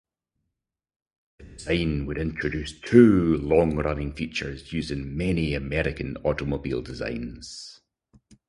The design would introduce two long-running features used in many American automobile designs.